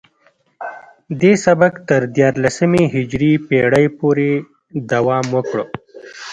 دې سبک تر دیارلسمې هجري پیړۍ پورې دوام وکړ